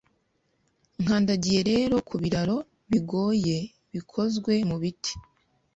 Nkandagiye rero ku biraro bigoye bikozwe mu biti